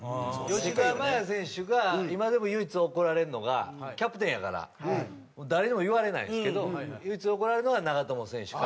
吉田麻也選手が今でも唯一怒られるのがキャプテンやから誰にも言われないんですけど唯一怒られるのは長友選手から。